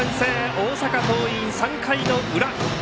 大阪桐蔭３回の裏。